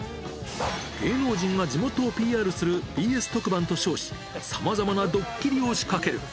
芸能人が地元をＰＲするＢＳ特番と称し、さまざまなドッキリを仕掛ける。